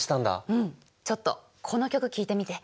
うんちょっとこの曲聴いてみて。